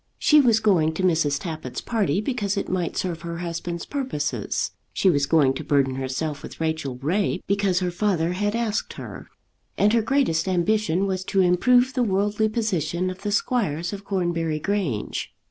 She was going to Mrs. Tappitt's party because it might serve her husband's purposes; she was going to burden herself with Rachel Ray because her father had asked her; and her greatest ambition was to improve the worldly position of the squires of Cornbury Grange.